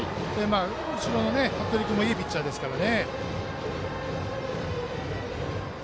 後ろの服部君もいいピッチャーなので。